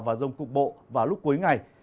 và rông cục bộ vào lúc cuối ngày